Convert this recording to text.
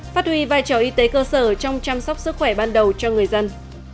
phát huy vai trò y tế cơ sở trong chăm sóc sức khỏe ban đầu cho người dân